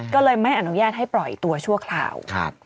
ก็เลยไม่อนุญาตให้ปล่อยตัวชั่วคราว